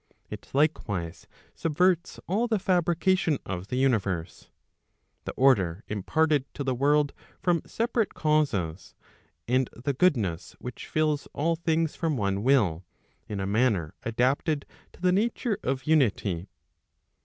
It likewise subverts all the fabrication of the universe, the order imparted to the world from separate causes, and the goodness which fills all things from one will, in a manner adapted to the nature of unity.